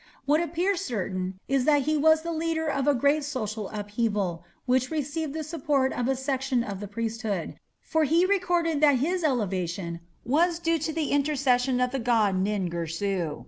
What appears certain is that he was the leader of a great social upheaval, which received the support of a section of the priesthood, for he recorded that his elevation was due to the intercession of the god Nin Girsu.